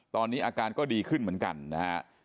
ตอนนี้อาการก็ดีขึ้นเหมือนกันนะฮะ